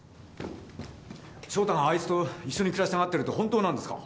翔太があいつと一緒に暮らしたがってるって本当なんですか？